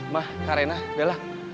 ma karena bella